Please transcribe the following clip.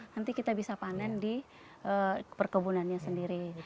nanti kita bisa panen di perkebunannya sendiri